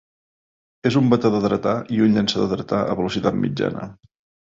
És un batedor dretà i un llançador dretà a velocitat mitjana.